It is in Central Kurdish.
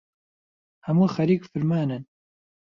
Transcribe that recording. هەموو خەریک فرمانن